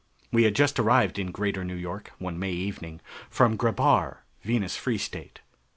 We had just arrived in Greater New York, one May evening, from Grebhar, Venus Free State.